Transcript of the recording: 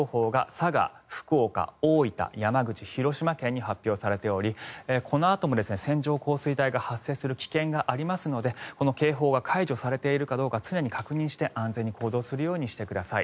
佐賀、福岡、大分山口、広島県に発表されておりこのあとも線状降水帯が発生する危険がありますのでこの警報が解除されているかどうか常に確認して安全に行動するようにしてください。